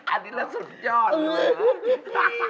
อันนี้แหละสุดยอดเลยนะ